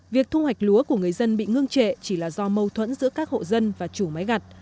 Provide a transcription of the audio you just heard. việc thu hoạch lúa của người dân bị ngưng trệ chỉ là do mâu thuẫn giữa các hộ dân và chủ máy gặt